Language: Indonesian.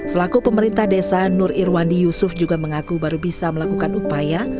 selaku pemerintah desa nur irwandi yusuf juga mengaku baru bisa melakukan upaya